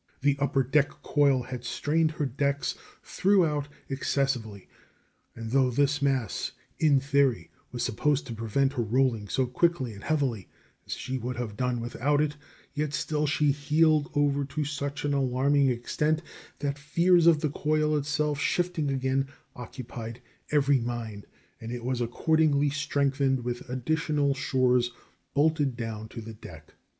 The upper deck coil had strained her decks throughout excessively, and though this mass in theory was supposed to prevent her rolling so quickly and heavily as she would have done without it, yet still she heeled over to such an alarming extent that fears of the coil itself shifting again occupied every mind, and it was accordingly strengthened with additional shores bolted down to the deck.